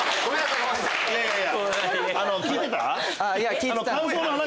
聞いてた？